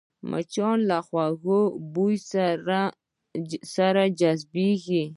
مچان له خوږو بویونو سره جذبېږي